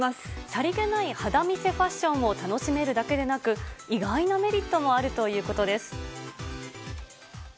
さりげない肌見せファッションを楽しめるだけでなく、意外なメリットもあるということです。